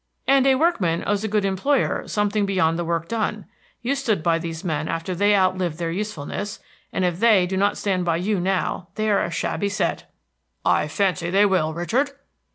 "And a workman owes a good employer something beyond the work done. You stood by these men after they outlived their usefulness, and if they do not stand by you now, they're a shabby set." "I fancy they will, Richard."